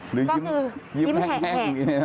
หรือยิ้มแข็ง